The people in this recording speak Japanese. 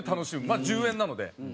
まあ１０円なので。